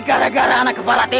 kita beli mie kepadamu engkel